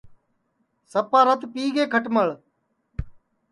سپا رت پِیگے کھٹمݪ